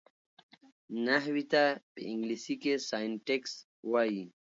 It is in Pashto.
نحوي ته په انګلېسي کښي Syntax وایي.